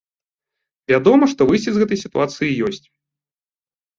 Вядома, што выйсце з гэтай сітуацыі ёсць.